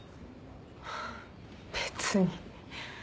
別に。